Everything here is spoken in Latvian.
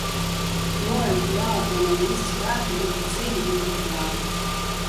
Nolēmu, ka jāelpo no visa spēka ļoti dziļi un ļoti ātri.